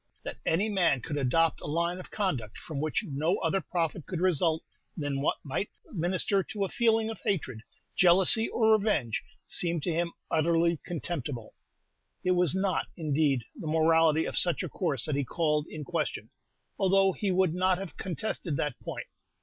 That any man could adopt a line of conduct from which no other profit could result than what might minister to a feeling of hatred, jealousy, or revenge, seemed to him utterly contemptible. It was not, indeed, the morality of such a course that he called in question, although he would not have contested that point.